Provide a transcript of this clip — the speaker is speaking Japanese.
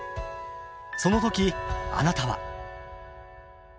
その時あなたは。